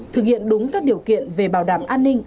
thực hiện đúng các điều kiện về bảo đảm an ninh